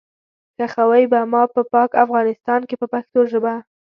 ښخوئ به ما په پاک افغانستان کې په پښتو ژبه.